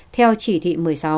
theo chỉ thị một mươi sáu